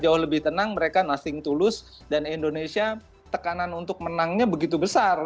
jauh lebih tenang mereka nesting tulus dan indonesia tekanan untuk menangnya begitu besar